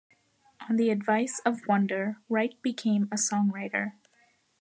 On the advice of Wonder, Wright became a songwriter.